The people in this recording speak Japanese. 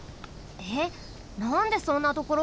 えっなんでそんなところから？